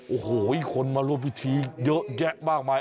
โอ้โหคนมาร่วมพิธีเยอะแยะมากมาย